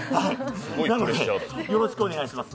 なので、よろしくお願いします。